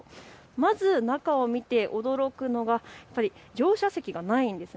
まず中を見て驚くのが乗車席がないんです。